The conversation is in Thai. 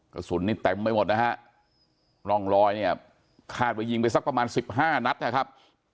กระสุนนิดแต่งไปหมดนะฮะรองรอยเนี่ยคาดไปยิงไปสักประมาณ๑๕นัดนะครับ